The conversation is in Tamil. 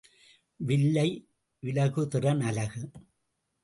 வில்லை விலகுதிறன் அலகு.